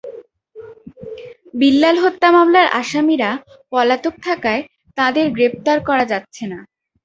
বিল্লাল হত্যা মামলার আসামিরা পলাতক থাকায় তাঁদের গ্রেপ্তার করা যাচ্ছে না।